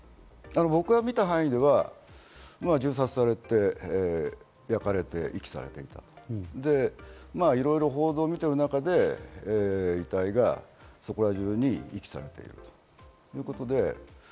僕が見た範囲では銃殺されて、焼かれて遺棄されていたと、いろいろ報道を見ている中で遺体がそこら中に遺棄されていると。